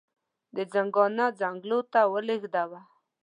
د ژوندانه څنګلو ته ولېږداوه.